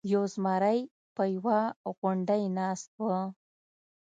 یو زمری په یوه غونډۍ ناست و.